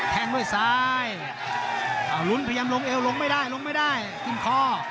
แทงด้วยซ้ายเอาลุ้นพยายามลงเอวลงไม่ได้ลงไม่ได้กินคอ